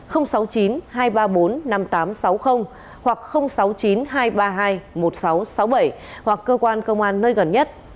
hoặc sáu mươi chín hai trăm ba mươi hai một nghìn sáu trăm sáu mươi bảy hoặc cơ quan công an nơi gần nhất